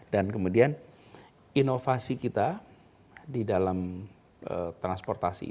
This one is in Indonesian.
dan kemudian inovasi kita di dalam transportasi